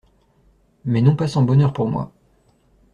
Mais non pas sans bonheur pour moi.